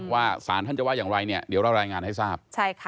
สารท่านจะว่าอย่างไรเนี่ยเดี๋ยวเรารายงานให้ทราบ